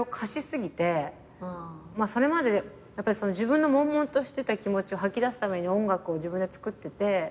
それまで自分のもんもんとしてた気持ちを吐き出すために音楽を自分で作ってて。